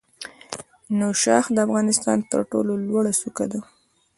نوشاخ د افغانستان تر ټولو لوړه څوکه ده.